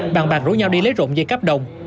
bàn bạc rủ nhau đi lấy rộn dây cắp đồng